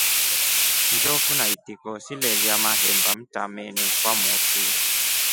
Njofu na itiko silelya mahemba mtameni kwa motu.